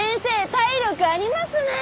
体力ありますねー。